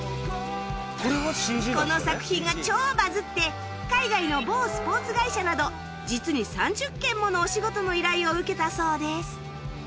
この作品が超バズって海外の某スポーツ会社など実に３０件ものお仕事の依頼を受けたそうです